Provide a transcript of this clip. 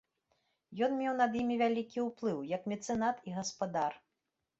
Ён меў над імі вялікі ўплыў, як мецэнат і гаспадар.